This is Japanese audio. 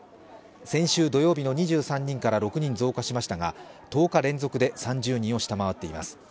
先週土曜日の２３人から６人増加しましたが、１０日連続で３０人を下回っています。